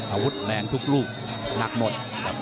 อาวุธแรงทุกลูกหนักหมด